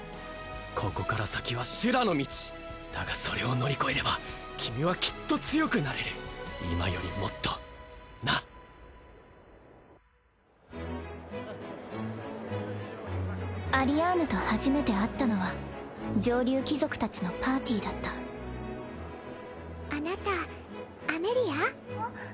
ここから先は修羅の道だがそれを乗り越えれば君はきっと強くなれる今よりもっとなアリアーヌと初めて会ったのは上流貴族達のパーティーだったあなたアメリア？